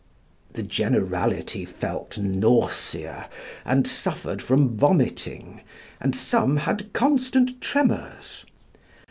The generality felt nausea and suffered from vomiting, and some had constant tremors.